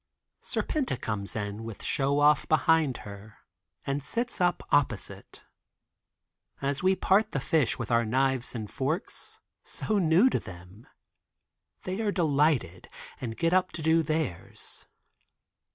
Serpenta comes in with Show Off behind her and sits up opposite. As we part the fish with our knives and forks, so new to them, they are delighted and get us to do theirs.